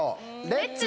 レッツ！